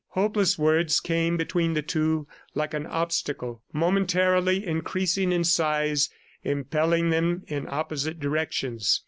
Hopeless words came between the two like an obstacle momentarily increasing in size, impelling them in opposite directions.